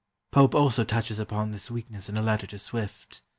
Pope also touches upon this weakness in a letter to Swift.